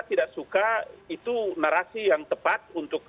tidak suka itu narasi yang tepat untuk